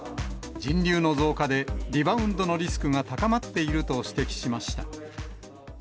人流の増加でリバウンドのリスクが高まっていると指摘しました。